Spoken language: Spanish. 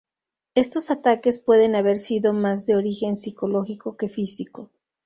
Estos ataques pueden haber sido más de origen psicológico que físico.